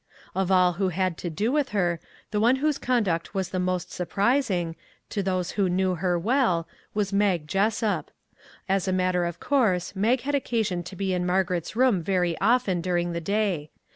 Of all who had to do with her, the one whose conduct was the most surprising, to those who knew her well, 249 MAG AND MARGARET waS Mag Jessup. As a matter of course, Mag had occasion to be in Margaret's room very often during the day.